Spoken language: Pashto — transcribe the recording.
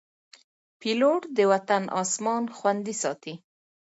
پیلوټ د وطن اسمان خوندي ساتي.